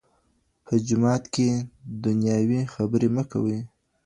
په جومات کې دنیاوي خبرې مه کوئ.